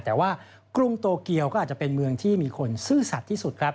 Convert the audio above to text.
แต่ว่ากรุงโตเกียวก็อาจจะเป็นเมืองที่มีคนซื่อสัตว์ที่สุดครับ